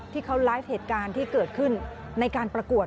ที่เขาไลฟ์เหตุการณ์ที่เกิดขึ้นในการประกวด